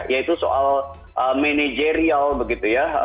yaitu soal manajerial begitu ya